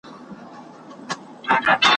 خوني پړانګ چي هر څه زور واهه تر شا سو `